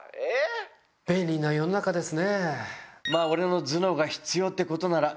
便利な世の中ですね。